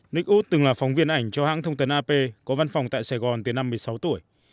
nick wood từng là phóng viên ảnh cho hãng thông tấn ap có văn phòng tại sài gòn từ năm một mươi sáu tuổi